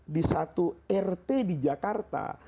di satu rt di jakarta